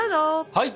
はい！